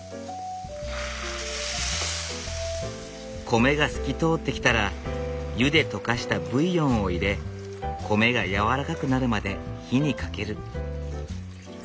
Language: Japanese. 米が透き通ってきたら湯で溶かしたブイヨンを入れ米がやわらかくなるまで火にかける。